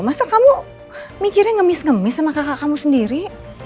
masa kamu mikirnya ngemis ngemis sama kakak kamu sendiri